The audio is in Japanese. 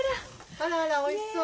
あらあらおいしそう。